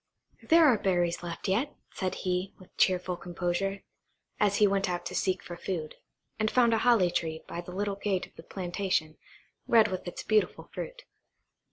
"There are berries left yet," said he, with cheerful composure, as he went out to seek for food, and found a holly tree by the little gate of the plantation, red with its beautiful fruit.